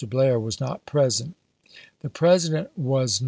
Blair was not present.) The President was not w.